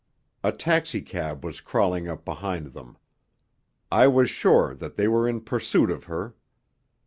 A taxicab was crawling up behind them. I was sure that they were in pursuit of her.